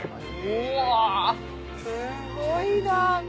うわすごいなぁ。